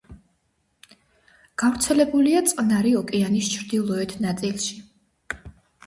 გავრცელებულია წყნარი ოკეანის ჩრდილოეთ ნაწილში.